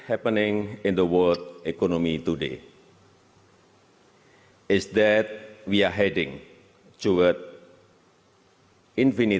apa yang terjadi di dunia ekonomi hari ini